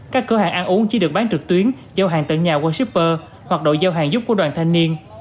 các cửa hàng ăn uống chỉ được bán trực tuyến giao hàng tận nhà qua shipper hoặc đội giao hàng giúp của đoàn thanh niên